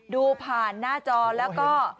ดูผ่านหน้าจอแล้วก็